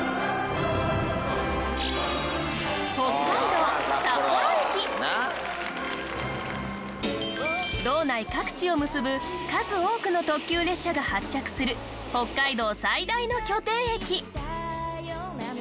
道内各地を結ぶ数多くの特急列車が発着する北海道最大の拠点駅。